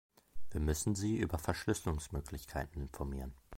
Wir müssen Sie über Verschlüsselungsmöglichkeiten informieren.